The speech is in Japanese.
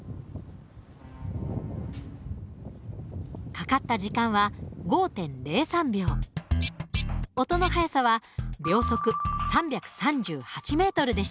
かかった時間は音の速さは秒速３３８ｍでした。